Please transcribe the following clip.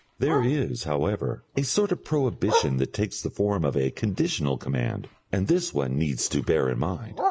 There is, however, a sort of prohibition that takes the form of a conditional command, and this one needs to bear in mind.